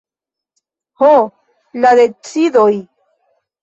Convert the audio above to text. Ho, la decidoj!